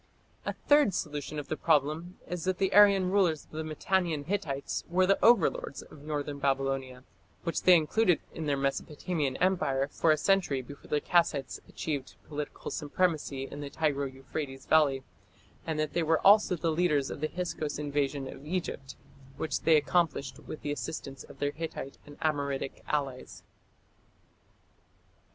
A third solution of the problem is that the Aryan rulers of the Mitannian Hittites were the overlords of northern Babylonia, which they included in their Mesopotamian empire for a century before the Kassites achieved political supremacy in the Tigro Euphrates valley, and that they were also the leaders of the Hyksos invasion of Egypt, which they accomplished with the assistance of their Hittite and Amoritic allies.